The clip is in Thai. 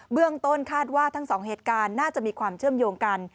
เรื่องต้นคาดว่าทั้งสองเหตุการณ์น่าจะมีความเชื่อมโยงกัน